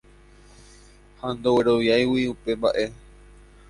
ha ndogueroviáigui upe mba'e